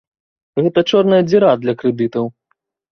Гэта чорная дзіра для крэдытаў.